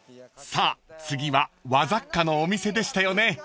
［さあ次は和雑貨のお店でしたよね］